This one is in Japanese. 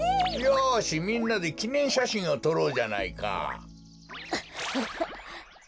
よしみんなできねんしゃしんをとろうじゃないか！